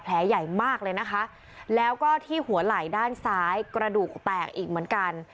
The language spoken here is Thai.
แผลใหญ่มากเลยนะคะแล้วก็ที่หัวไหล่ด้านซ้ายกระดูกแตกอีกเหมือนกัน